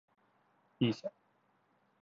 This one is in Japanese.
いいさ。